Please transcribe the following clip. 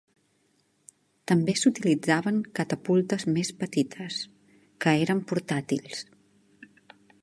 També s'utilitzaven catapultes més petites, que eren portàtils.